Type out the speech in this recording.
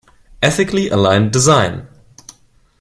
Ethically Aligned Design.